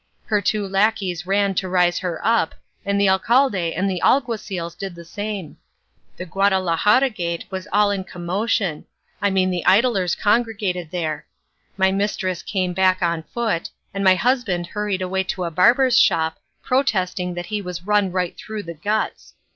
Her two lacqueys ran to rise her up, and the alcalde and the alguacils did the same; the Guadalajara gate was all in commotion I mean the idlers congregated there; my mistress came back on foot, and my husband hurried away to a barber's shop protesting that he was run right through the guts.